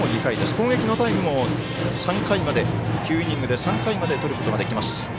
攻撃のタイムも９イニングで３回までとることができます。